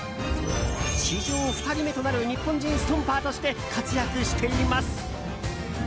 史上２人目となる日本人ストンパーとして活躍しています。